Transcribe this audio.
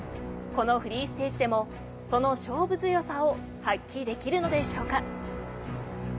このフリーステージでもその勝負強さを発揮できるのでしょうか。